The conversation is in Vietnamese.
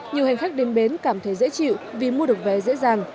nhiều hành khách đến bến cảm thấy dễ chịu vì mua được vé dễ dàng